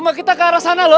rumah kita ke arah sana loh